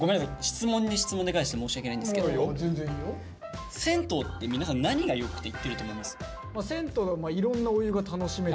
質問に質問で返して申し訳ないんですけど銭湯って皆さん何がよくて行ってると思います？